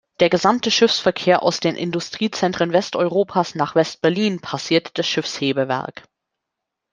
Der gesamte Schiffsverkehr aus den Industriezentren Westeuropas nach West-Berlin passierte das Schiffshebewerk.